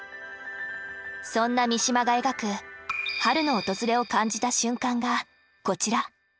そんな三島が描く春の訪れを感じた瞬間がこちら。